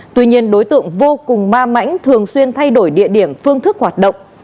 tuy nhiên đối tượng vô cùng ma mãnh thường xuyên thay đổi địa điểm phương thức hoạt động